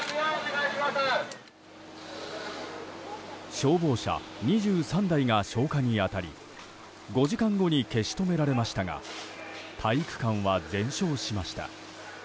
消防車２３台が消火に当たり５時間後に消し止められましたが体育館は全焼しました。